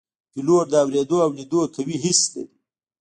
پیلوټ د اوریدو او لیدو قوي حس لري.